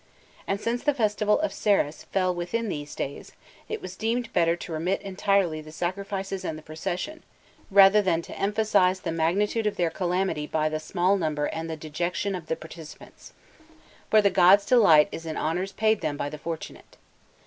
And since the festival of Ceres fell within these days, it was deemed better to remit entirely the sacrifices and the procession, rather than to emphasize the magnitude of their calamity by the small number and the dejection of the participants. For the gods' delight is in honours paid them by the fortunate.